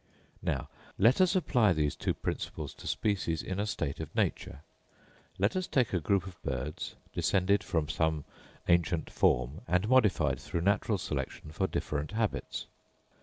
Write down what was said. Now, let us apply these two principles to species in a state of nature. Let us take a group of birds, descended from some ancient form and modified through natural selection for different habits.